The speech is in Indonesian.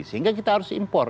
sehingga kita harus impor